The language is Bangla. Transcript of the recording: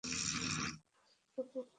রূপক ভাষায় সেগুলিকেই পদ্ম বলে।